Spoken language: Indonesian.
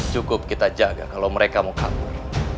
cukup kita jaga kalau mereka mau kabur